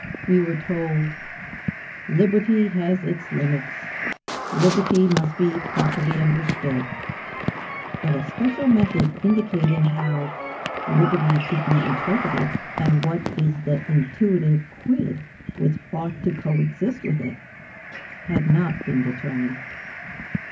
We were told: "Liberty has its limits," "Liberty must be properly understood." But a special method indicating "how liberty should be interpreted, and what is the intuitive quid which ought to co exist with it," had not been determined.